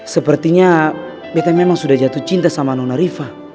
sepertinya kita memang sudah jatuh cinta sama nona riva